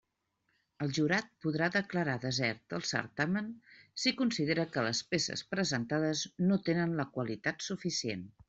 El jurat podrà declarar desert el certamen si considera que les peces presentades no tenen la qualitat suficient.